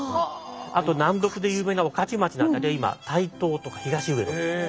あと難読で有名な御徒町の辺りは今台東とか東上野。